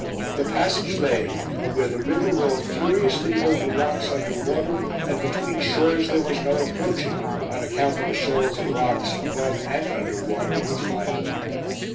The passage lay where the river rolled furiously over rocks under water, and between shores there was no approaching, on account of the shoals and rocks above and under water which lined them.